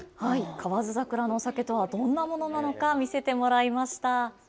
河津桜のお酒とはどんなものなのか、見せてもらいました。